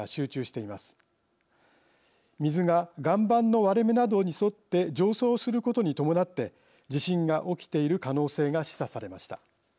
水が岩盤の割れ目などに沿って上層することに伴って地震が起きている可能性が示唆されました。